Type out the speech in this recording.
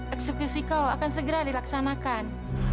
eksekusi kau akan segera dilaksanakan